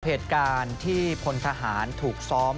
เหตุการณ์ที่พลทหารถูกซ้อม